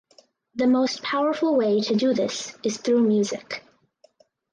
The most powerful way to do this is through music.